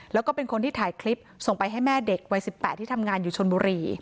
แล้วก็เป็นคนที่ถ่ายคลิปส่งไปให้แม่เด็กวัย๑๘ที่ทำงานอยู่ชนบุรี